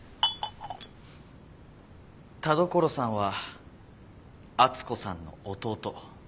田所さんはアツ子さんの弟。